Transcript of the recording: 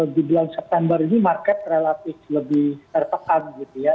di bulan september ini market relatif lebih tertekan gitu ya